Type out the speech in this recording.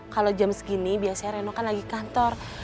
kalau jam segini biasanya reno kan lagi kantor